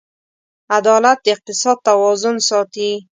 عدالت د اقتصاد توازن ساتي.